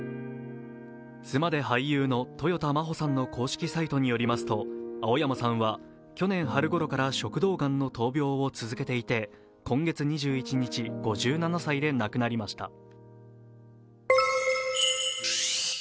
妻で俳優のとよた真帆さんの公式サイトによりますと青山さんは去年春ごろから食道がんの闘病を続けていて今月２１日、５７歳で亡くなりました。